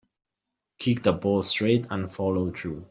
Kick the ball straight and follow through.